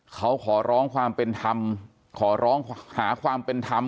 เขาขอร้องความเป็นธรรมขอร้องหาความเป็นธรรม